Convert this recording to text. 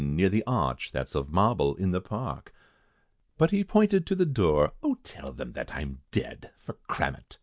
Near the arch, that's of marble, in the park," But he pointed to the door "O tell them that I'm dead; For cram it!